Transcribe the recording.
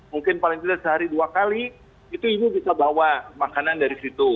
mungkin paling tidak sehari dua kali itu ibu bisa bawa makanan dari situ